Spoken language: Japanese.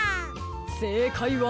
せいかいは。